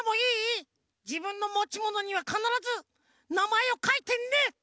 じぶんのもちものにはかならずなまえをかいてね！